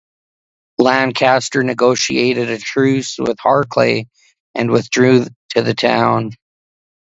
Lancaster negotiated a truce with Harclay, and withdrew to the town.